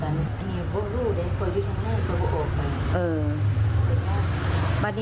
ในเบิร์ตบอกได้